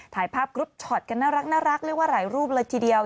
ถ่ายภาพกรุ๊ปช็อตกันน่ารักเรียกว่าหลายรูปเลยทีเดียว